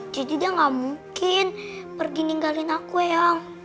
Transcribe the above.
jadi dia gak mungkin pergi ninggalin aku ya